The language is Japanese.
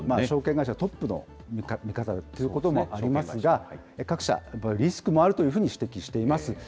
証券会社トップの見方ということもありますが、各社、リスクもあるというふうに指摘しています。